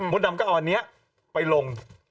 ดำก็เอาอันนี้ไปลง